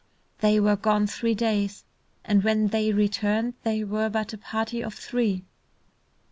They were gone three days, and when they returned they were but a party of three.